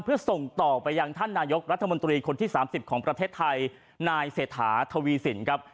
เพื่อส่งต่อไปยังท่านนายกรัฐมนตรีคนที่๓๐ของประเทศไทยนายเศรษฐาทวีสินครับ